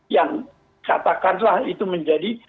yang katakanlah itu menjadi